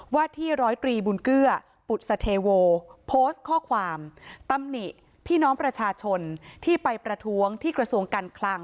ว่าที่ร้อยตรีบุญเกลือปุศเทโวโพสต์ข้อความตำหนิพี่น้องประชาชนที่ไปประท้วงที่กระทรวงการคลัง